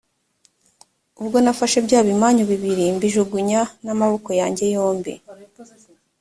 ubwo nafashe bya bimanyu bibiri, mbijugunya n’amaboko yanjye yombi,